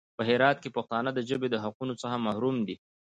په هرات کې پښتانه د ژبې د حقوقو څخه محروم دي.